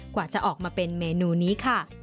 กว่าจะออกมาเป็นเมนูนี้ค่ะ